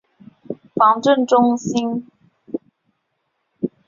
震防中心承担中国地震局宣教中心职责。